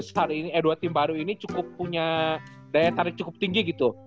karena dua tim baru ini cukup punya daya tarik cukup tinggi gitu